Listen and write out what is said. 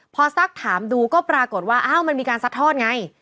พอซักถามดูก็ปรากฏว่าอ้าวมันมีการซัดทอดไง